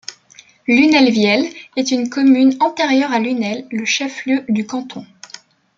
Lunel-Viel est une commune antérieure à Lunel, le chef-lieu du canton.